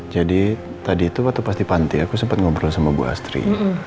jadi tadi itu waktu pasti panti aku sempat ngobrol sama bu astri